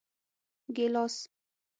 🍒 ګېلاس